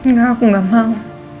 nggak aku nggak mau